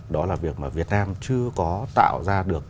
đó là việc mà việt nam chưa có tạo ra được